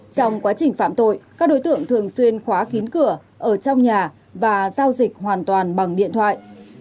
trong quá trình phạm tội các đối tượng thường xuyên khóa kín cửa ở trong nhà và giao dịch hoàn toàn bằng điện thoại